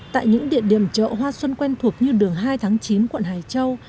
tại những địa điểm chợ hoa xuân quen thuộc như đường hai tháng chín quận hải châu